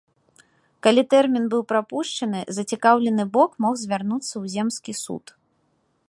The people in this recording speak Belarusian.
Калі тэрмін быў прапушчаны, зацікаўлены бок мог звярнуцца ў земскі суд.